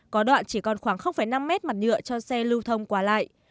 có đoạn chỉ còn khoảng năm mét mặt nhựa cho xe lưu thông qua lại